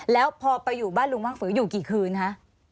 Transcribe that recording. แล้วพอไปอยู่บ้านลุงว่างฝืออยู่กี่คืนคะ